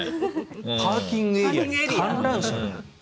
パーキングエリアに観覧車がある。